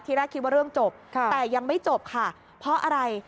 แรกคิดว่าเรื่องจบแต่ยังไม่จบค่ะเพราะอะไร